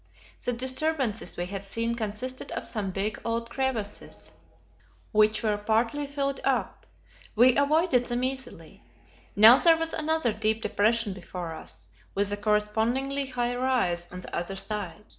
The disturbances we had seen consisted of some big, old crevasses, which were partly filled up; we avoided them easily. Now there was another deep depression before us; with a correspondingly high rise on the other side.